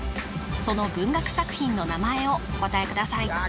その文学作品の名前をお答えください